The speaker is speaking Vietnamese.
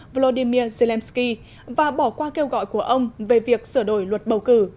vladimir zelensky và bỏ qua kêu gọi của ông về việc sửa đổi luật bầu cử